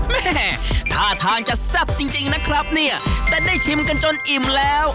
แม่ท่าทางจะแซ่บจริงจริงนะครับเนี่ยแต่ได้ชิมกันจนอิ่มแล้ว